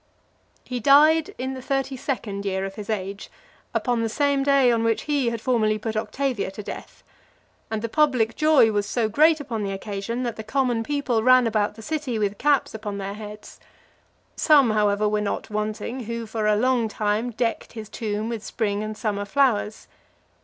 LVII. He died in the thirty second year of his age , upon the same day on which he had formerly put Octavia to death; and the public joy was so great upon the occasion, that the common people ran about the city with caps upon their heads. Some, however, were not wanting, who for a long time decked his tomb with spring and summer flowers.